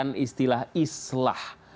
mempopulerkan istilah islah